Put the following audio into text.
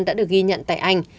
đã được ghi nhận tại anh